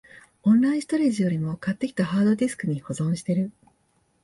オンラインストレージよりも、買ってきたハードディスクに保存してる